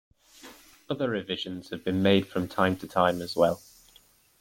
Other revisions have been made from time to time as well.